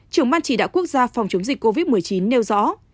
trưởng ban chỉ đạo quốc gia phòng chống dịch covid một mươi chín nêu rõ